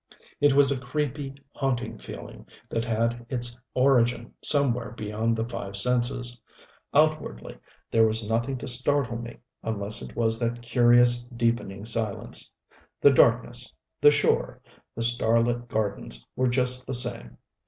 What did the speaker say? It was a creepy, haunting feeling that had its origin somewhere beyond the five senses. Outwardly there was nothing to startle me, unless it was that curious, deepening silence. The darkness, the shore, the starlit gardens were just the same.